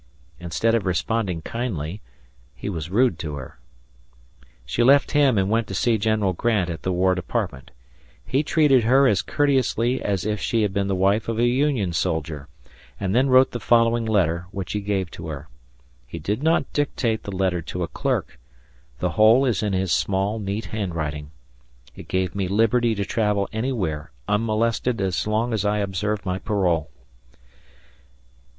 Instead of responding kindly, he was rude to her. She left him and went to see General Grant at the War Department. He treated her as courteously as if she had been the wife of a Union soldier, and then wrote the following letter, which he gave to her. He did not dictate the letter to a clerk; the whole is in his small, neat hand writing. It gave me liberty to travel anywhere unmolested as long as I observed my parole.